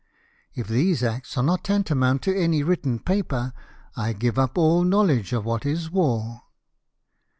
If these acts are not tantamount to any written paper, I give up all knowledge of Avhat is war."